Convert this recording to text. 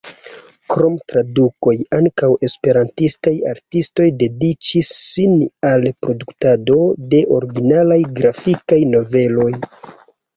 Krom tradukoj, ankaŭ esperantistaj artistoj dediĉis sin al produktado de originalaj grafikaj noveloj.